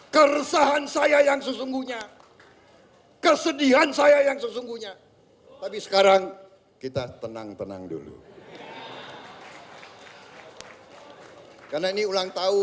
kalau naik gunung